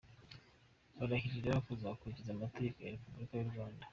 Barahirira kuzakurikiza amategeko ya Republika y’u Rwanda.